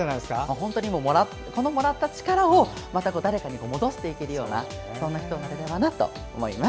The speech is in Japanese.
本当に、このもらった力をまた誰かに戻していけるようにできればなと思います。